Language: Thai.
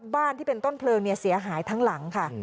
บ้านที่เป็นต้นเพลิงเสียหายทั้งหลังค่ะ